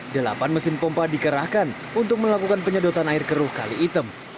delapan mesin pompa dikerahkan untuk melakukan penyedotan air keruh kali item